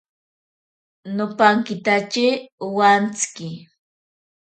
Nopankitatye owantsiki.